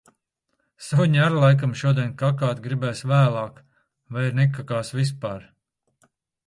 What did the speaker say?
Suņi ar laikam šodien kakāt gribēs vēlāk vai nekakās vispār.